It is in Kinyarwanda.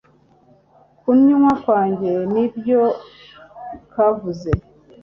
kanwa kanjye n ibyo kavuze